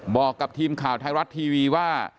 บอกกับทีมข่าวไทยรัฐทีวีว่า